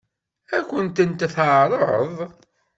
Ad kent-tent-teɛṛeḍ?